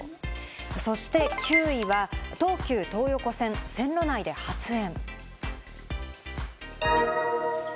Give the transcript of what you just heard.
そして９位は東急東横線、線路内で発煙。